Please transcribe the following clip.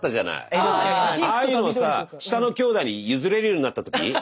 ああいうのをさ下のきょうだいに譲れるようになった時。